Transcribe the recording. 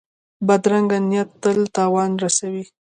بدرنګه نیت تل تاوان رسوي